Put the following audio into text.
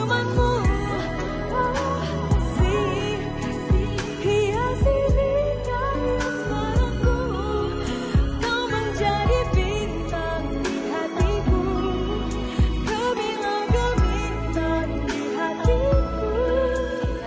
kami mengambil bintang di hatiku